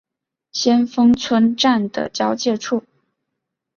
先锋村站的交界处。